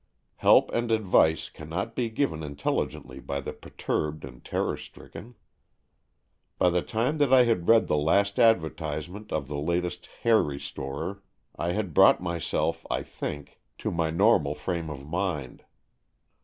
Help and advice cannot be given intelligently by the perturbed and terror stricken. By the time that I had read the last advertisement of the latest hair restorer, I had brought myself, I think, to my normal frame of mind.